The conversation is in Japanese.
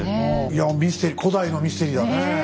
いやミステリー古代のミステリーだね。